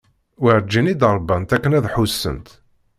Werǧin i d-rbant akken ad ḥussent.